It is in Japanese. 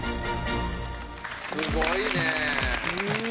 すごいねえ。